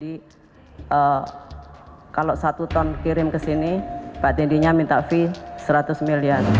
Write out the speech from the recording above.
kalau satu ton kirim ke sini pak tendinya minta fee seratus miliar